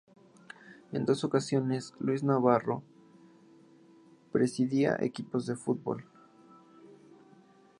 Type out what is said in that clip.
En dos ocasiones, Luis Navarro presidiría equipos de fútbol.